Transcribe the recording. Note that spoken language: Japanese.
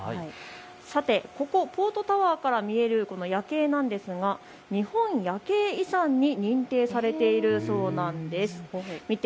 さて、ここポートタワーから見える夜景なんですが日本夜景遺産に認定されているそうなんです。